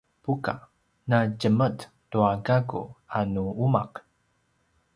buka: na djemet tua gakku a nu umaq?